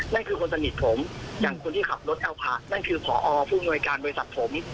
นั่นคือคนสนิทผมอย่างคนที่ขับรถแอลพาร์ทนั่นคือพอผู้อำนวยการบริษัทผม